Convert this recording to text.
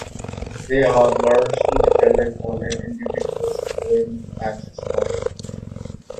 They are largely dependent on an individual's ability to access knowledge.